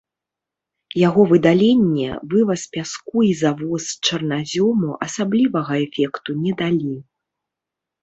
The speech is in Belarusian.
Яго выдаленне, вываз пяску і завоз чарназёму асаблівага эфекту не далі.